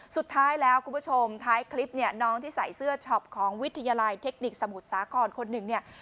สุดท้ายแล้วคุณผู้ชมท้ายคลิปเนี่ยน้องที่ใส่เสื้อช็อปของวิทยาลัยเทคนิคสมุทรสาครคนหนึ่งเนี่ย